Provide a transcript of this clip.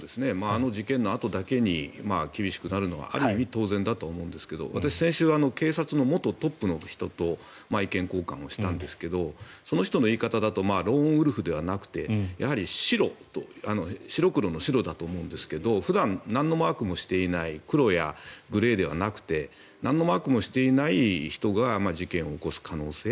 あの事件のあとだけに厳しくなるのはある意味当然だと思うんですが私、先週、警察の元トップの人と意見交換をしたんですがその人の言い方だとローンウルフではなくてやはり白白黒の白だと思うんですが普段なんのマークもしていない黒やグレーではなくてなんのマークもしていない人が事件を起こす可能性